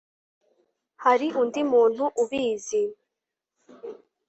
hari undi muntu ubizi